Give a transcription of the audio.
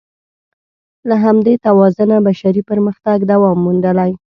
له همدې توازنه بشري پرمختګ دوام موندلی.